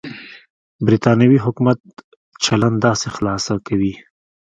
برېټانوي حکومت چلند داسې خلاصه کوي.